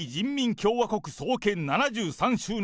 共和国創建７３周年